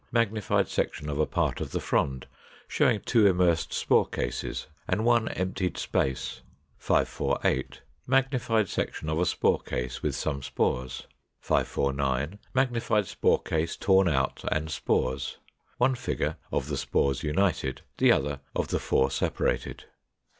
Magnified section of a part of the frond, showing two immersed spore cases, and one emptied space. 548. Magnified section of a spore case with some spores. 549. Magnified spore case torn out, and spores; one figure of the spores united; the other of the four separated.